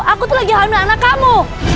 aku tuh lagi hamil anak kamu